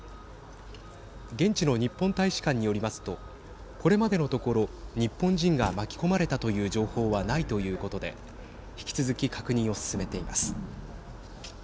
現地の日本大使館によりますとこれまでのところ日本人が巻き込まれたという情報はないということで引き続き確認を進めています。